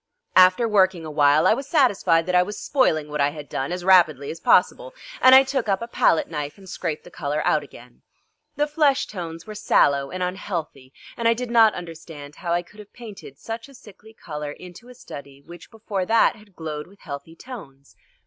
After working a while I was satisfied that I was spoiling what I had done as rapidly as possible, and I took up a palette knife and scraped the colour out again. The flesh tones were sallow and unhealthy, and I did not understand how I could have painted such sickly colour into a study which before that had glowed with healthy tones.